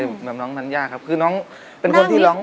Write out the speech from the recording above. คือน้องนั้นอย่าครับคือน้องเป็นคนที่ร้อง